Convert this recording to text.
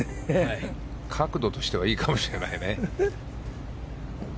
角度としてはいいかもしれないね。